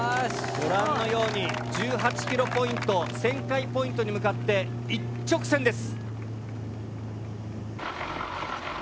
ご覧のように１８ｋｍポイント旋回ポイントに向かって一直線です。